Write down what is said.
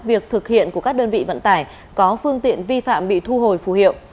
việc thực hiện của các đơn vị vận tải có phương tiện vi phạm bị thu hồi phù hiệu